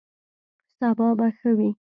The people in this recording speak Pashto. سبا به ښه وي